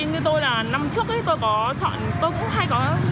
như tôi là năm trước tôi cũng hay có